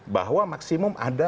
bahwa maksimum ada